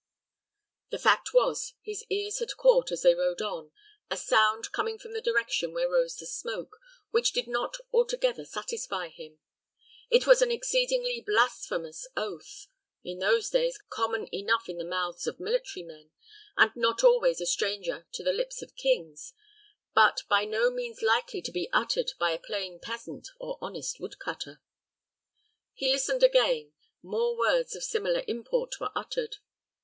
The fact was, his ears had caught, as they rode on, a sound coming from the direction where rose the smoke, which did not altogether satisfy him. It was an exceedingly blasphemous oath in those days, common enough in the mouths of military men, and not always a stranger to the lips of kings, but by no means likely to be uttered by a plain peasant or honest wood cutter. He listened again: more words of similar import were uttered.